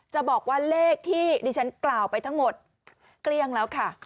จะบอกว่าเลขที่ดิฉันกล่าวไปทั้งหมดเกลี้ยงแล้วค่ะ